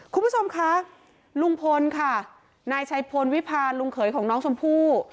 คุณผู้ชมคะลุงพลค่ะนายชัยพลวิพาลลุงเขยของน้องชมพู่